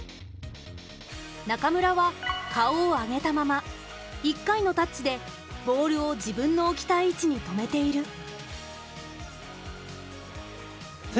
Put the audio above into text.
中村は顔を上げたまま１回のタッチでボールを自分の置きたい位置に止めている。